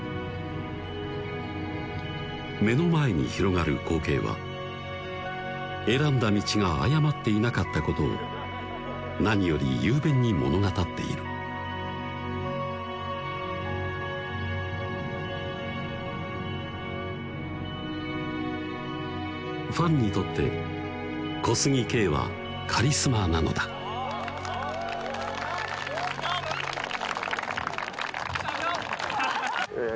目の前に広がる光景は選んだ道が誤っていなかったことを何より雄弁に物語っているファンにとって小杉敬はカリスマなのだえ